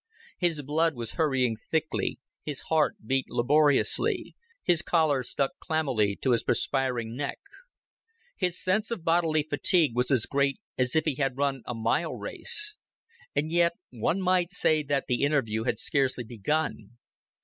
His blood was hurrying thickly, his heart beat laboriously, his collar stuck clammily to his perspiring neck. His sense of bodily fatigue was as great as if he had run a mile race; and yet one might say that the interview had scarcely begun.